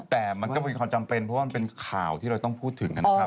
แต่มันก็เป็นความจำเป็นเพราะว่ามันเป็นข่าวที่เราต้องพูดถึงนะครับ